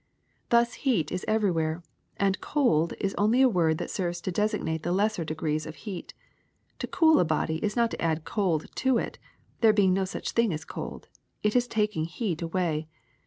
Thus heat is everywhere, and cold is only a word that serves to designate the lesser degrees of heat. To cool a body is not to add cold to it, there being no such thing as cold ; it is tak ing heat away.